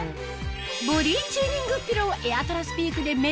ボディチューニングピローエアトラスピークでぜひ！